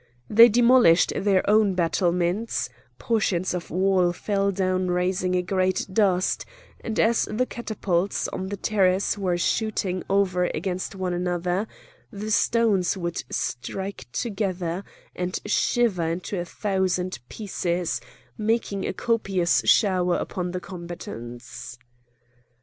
They demolished their own battlements; portions of wall fell down raising a great dust; and as the catapults on the terrace were shooting over against one another, the stones would strike together and shiver into a thousand pieces, making a copious shower upon the combatants.